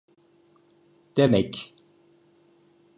Demek…